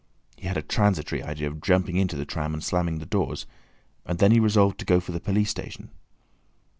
He had a transitory idea of jumping into the tram and slamming the doors, and then he resolved to go for the police station.